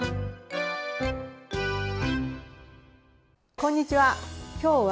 こんにちは。